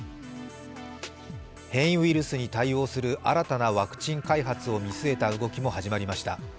変異ウイルスに対応する新たなワクチン開発を見据えた動きも始まりました。